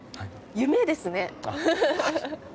夢ですね。